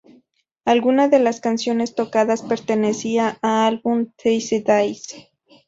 Algunas de las canciones tocadas pertenecían a album "These Days".